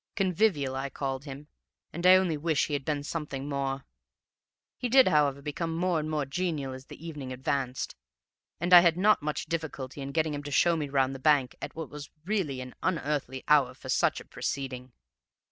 Convivial I called him, and I only wish he had been something more. He did, however, become more and more genial as the evening advanced, and I had not much difficulty in getting him to show me round the bank at what was really an unearthly hour for such a proceeding.